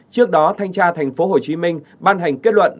trước đó thanh tra tp hcm ban hành kết luận